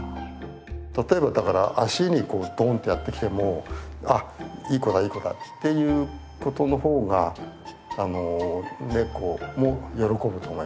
例えばだから足にドンってやってきてもあっいい子だいい子だって言うことの方がネコも喜ぶと思います。